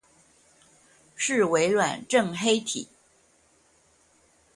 是微軟正黑體